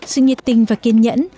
sự nhiệt tình và kiên nhẫn